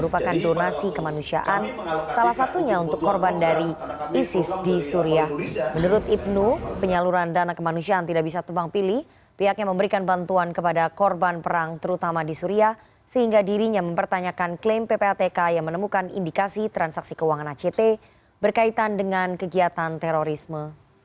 pihaknya memberikan bantuan kepada korban perang terutama di suria sehingga dirinya mempertanyakan klaim ppatk yang menemukan indikasi transaksi keuangan act berkaitan dengan kegiatan terorisme